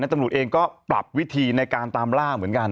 ตำรวจเองก็ปรับวิธีในการตามล่าเหมือนกัน